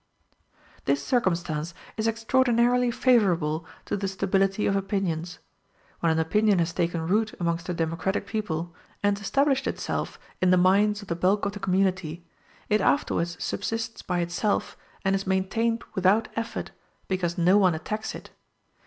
This circumstance is extraordinarily favorable to the stability of opinions. When an opinion has taken root amongst a democratic people, and established itself in the minds of the bulk of the community, it afterwards subsists by itself and is maintained without effort, because no one attacks it.